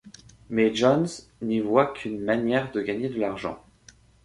Mais Jones n'y voit qu'une manière de gagner de l'argent.